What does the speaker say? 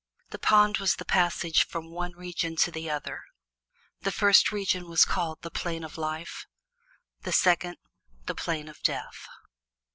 This pond was the passage from one region to the other. The first region was called the Plain of Life, the second the Plain of Death.